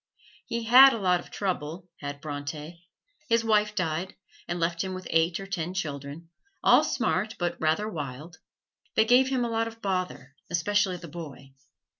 He had a lot of trouble, had Bronte: his wife died and left him with eight or ten children, all smart, but rather wild. They gave him a lot of bother, especially the boy.